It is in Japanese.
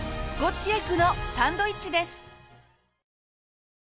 スコッチエッグのサンドイッチです。